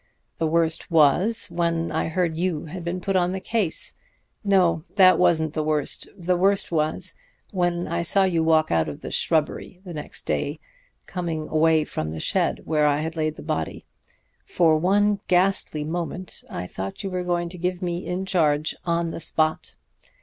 The worst was when I heard you had been put on the case no, that wasn't the worst. The worst was when I saw you walk out of the shrubbery the next day, coming away from the shed where I had laid the body. For one ghastly moment I thought you were going to give me in charge on the spot.